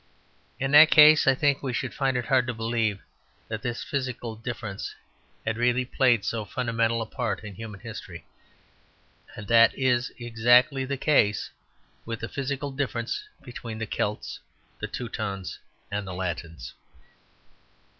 In that case I think we should find it hard to believe that this physical difference had really played so fundamental a part in human history. And that is exactly the case with the physical difference between the Celts, the Teutons and the Latins.